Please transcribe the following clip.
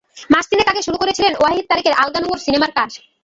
মাস তিনেক আগে শুরু করেছিলেন ওয়াহিদ তারেকের আলগা নোঙর সিনেমার কাজ।